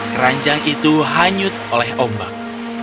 keranjang itu hanyut oleh ombak